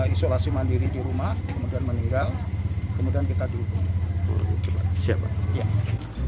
isolasi mandiri di rumah kemudian meninggal kemudian kita dihubungi